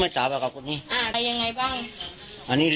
แต่เขานั้นเขานามสคุณเดียวกันนะคะ